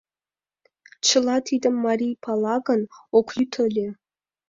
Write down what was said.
— Чыла тидым марий пала гын, ок лӱд ыле.